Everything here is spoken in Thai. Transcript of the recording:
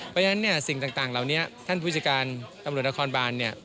เพราะฉะนั้นเนี่ยสิ่งต่างเหล่านี้ท่านผู้จัดการตำรวจนครบานเนี่ย